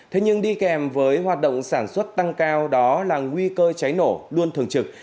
thế nhưng đi kèm với hoạt động sản xuất tăng cao đó là nguy cơ cháy nổ luôn thường trực